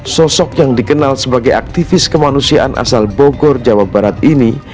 sosok yang dikenal sebagai aktivis kemanusiaan asal bogor jawa barat ini